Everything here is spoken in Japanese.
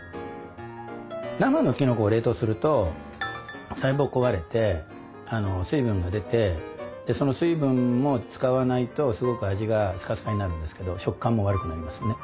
生のきのこを冷凍すると細胞が壊れて水分が出てその水分も使わないとすごく味がスカスカになるんですけど食感も悪くなりますね。